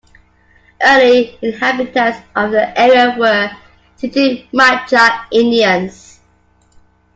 Early inhabitants of the area were Chitimacha Indians.